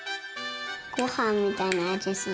ごはんみたいなあじする。